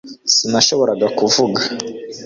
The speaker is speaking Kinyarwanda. Sinashoboraga kuvuga